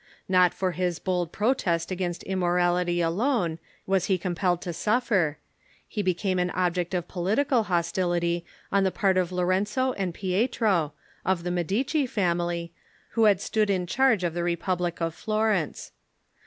Not for his hold protest against immorality alone was he compelled to suffer : he became an object of political hostility on the part of Lorenzo and Pietro, of the Medici family, who had stood in charge of the republic of Florence.